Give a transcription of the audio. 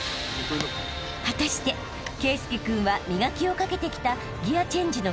［果たして圭佑君は磨きをかけてきた］